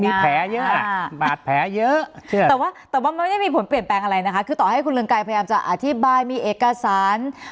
มีแผลเยอะบาดแผลเยอะแต่ว่าแต่ว่ามันไม่ได้มีผลเปลี่ยนแปลงอะไรนะคะคือต่อให้คุณเรืองไกรพยายามจะอธิบายมีเอกสาร